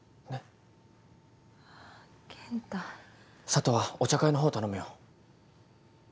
佐都はお茶会の方を頼むよ。